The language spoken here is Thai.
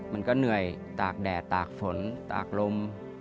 มันก็เหนื่อยตากแดดตากฝนตากลม